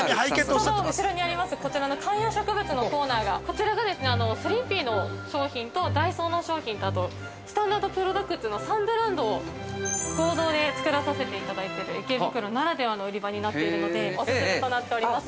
◆ちょうど後ろにあります、こちらの観葉植物のコーナーが、こちらが、スリーピーの商品とダイソーの商品とあとスタンダードプロダクツの３ブランドを合同で作らさせていただいてて、池袋ならではの売り場になっているので、オススメとなっております。